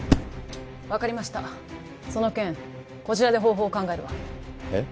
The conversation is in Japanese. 分かりましたその件こちらで方法を考えるわえっ？